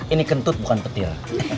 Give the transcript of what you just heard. ini kentut bukan petir